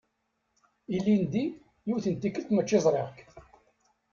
Ilindi yiwet n tikelt mačči ẓriɣ-k.